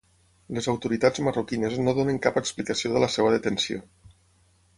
Les autoritats marroquines no donen cap explicació de la seva detenció.